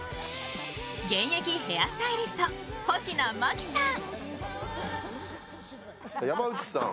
現役ヘアスタイリスト保科真紀さん。